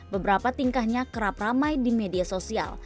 beberapa tingkahnya kerap ramai di media sosial